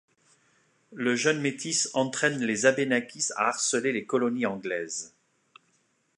Le jeune métis entraîne les Abénaquis à harceler les colonies anglaises.